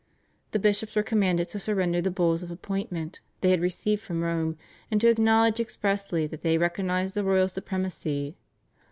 The bishops were commanded to surrender the Bulls of appointment they had received from Rome, and to acknowledge expressly that they recognised the royal supremacy.